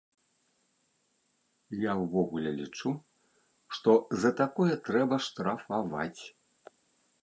Я ўвогуле лічу, што за такое трэба штрафаваць.